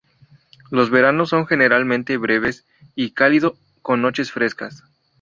Los veranos son generalmente breves y cálido con noches frescas.